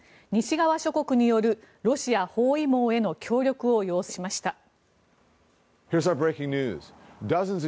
西側諸国によるロシア包囲網への協力を要請しました。